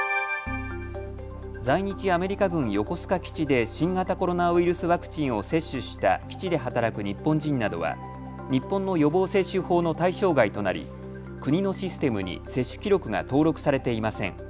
在日アメリカ軍横須賀基地で新型コロナウイルスワクチンを接種した基地で働く日本人などは日本の予防接種法の対象外となり国のシステムに接種記録が登録されていません。